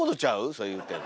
それ言うてんの。